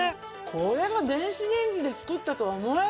これは電子レンジで作ったとは思えない。